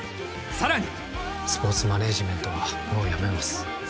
さらにスポーツマネージメントはもうやめます